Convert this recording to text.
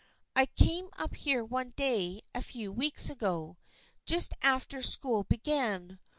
I came up here one day a few weeks ago, just after school began.